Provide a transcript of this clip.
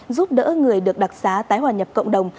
giúp đỡ người được đặc sá tái hoàn nhập cộng đồng